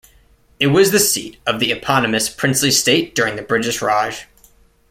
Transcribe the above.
It was the seat of the eponymous princely state during the British Raj.